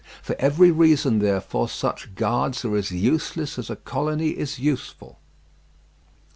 For every reason, therefore, such guards are as useless as a colony is useful.